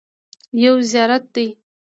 یو زیارت دی.